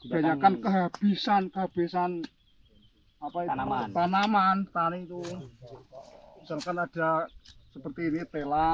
biarkan kehabisan kehabisan apa itu tanaman tanaman itu seakan ada seperti ritela